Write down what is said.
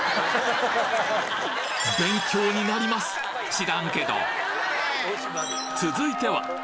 知らんけど！